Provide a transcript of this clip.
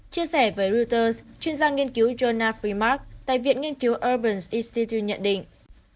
chia sẻ với reuters chuyên gia nghiên cứu jonah fremark tài viện nghiên cứu urban institute nhận định